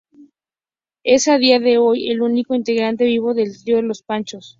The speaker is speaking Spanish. Es, a día de hoy, el único integrante vivo del trío Los Panchos.